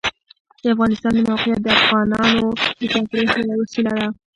د افغانستان د موقعیت د افغانانو د تفریح یوه وسیله ده.